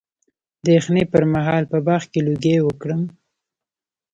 د یخنۍ پر مهال په باغ کې لوګی وکړم؟